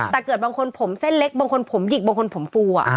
แต่เกิดบางคนผมเส้นเล็กบางคนผมหยิกบางคนผมฟู